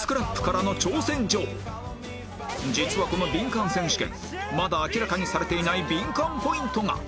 実はこのビンカン選手権まだ明らかにされていないビンカンポイントが